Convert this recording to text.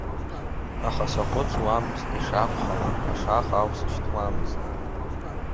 Аха саҟәыҵуамызт, ишакәхалақ, ашаха аусышьҭуамызт.